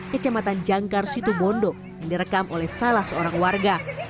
kecamatan jangkar situbondo yang direkam oleh salah seorang warga